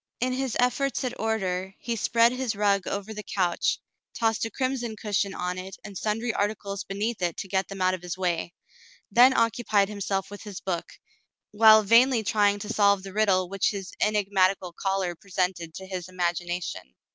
In his efforts at order, he spread his rug over the couch, tossed a crimson cushion on it and sundry articles beneath it to get them out of his way, then occupied himself with his book, while vainly trying to solve the riddle which his enigmatical caller presented to his imagination.